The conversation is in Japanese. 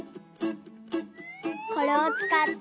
これをつかって。